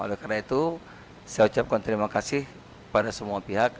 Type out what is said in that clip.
oleh karena itu saya ucapkan terima kasih pada semua pihak